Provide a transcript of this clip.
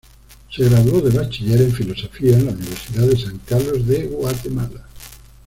Se graduó de Bachiller en Filosofía en la Universidad de San Carlos de Guatemala.